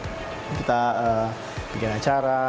di situ kita branding kita bikin acara